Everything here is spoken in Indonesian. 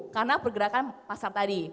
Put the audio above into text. karena pergerakan pasar tadi